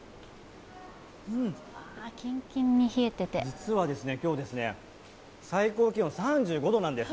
実は今日、最高気温３５度なんです。